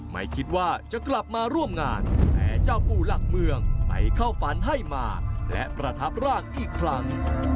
ไม่คิดว่าจะกลับมาร่วมงานแต่เจ้าปู่หลักเมืองไปเข้าฝันให้มาและประทับร่างอีกครั้ง